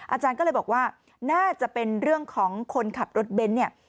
อาจารย์ก็เลยบอกว่าน่าจะเป็นเรื่องของคนขับรถเบนท์เนี่ย